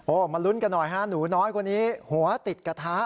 โอ้มาลุ้นกันหน่อยหนูน้อยกว่านี้หัวติดกระทะ